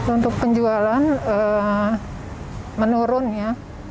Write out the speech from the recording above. untuk penjualan menurun ya